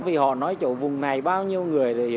vì họ nói chỗ vùng này bao nhiêu người